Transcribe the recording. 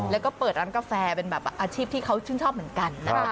แล้วก็เปิดร้านกาแฟเป็นแบบอาชีพที่เขาชื่นชอบเหมือนกันนะคะ